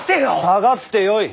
下がってよい！